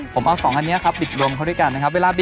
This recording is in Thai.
ผมเอาสองอันเนี้ยครับบีดรวมเข้าด้วยกันนะครับ